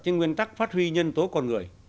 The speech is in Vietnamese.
trên nguyên tắc phát huy nhân tố con người